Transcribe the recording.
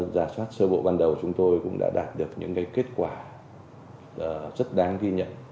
giả soát sơ bộ ban đầu chúng tôi cũng đã đạt được những kết quả rất đáng ghi nhận